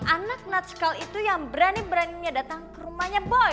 anak natskal itu yang berani beraninya datang ke rumahnya boy